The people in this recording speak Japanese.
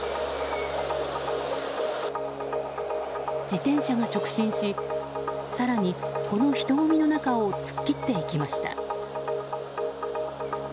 自転車が直進し更に、この人混みの中を突っ切っていきました。